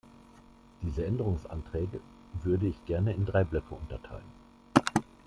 Diese Änderungsanträge würde ich gern in drei Blöcke unterteilen.